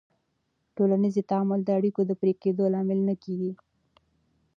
ټولنیز تعامل د اړیکو د پرې کېدو لامل نه کېږي.